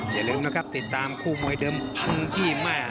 อย่าลืมนะครับติดตามคู่มวยเดิมพังจี้ม่าย